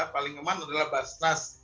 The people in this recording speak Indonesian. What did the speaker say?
paling aman adalah basnas